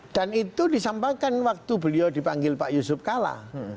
dan itu disampaikan waktu beliau dipanggil pak yusuf kala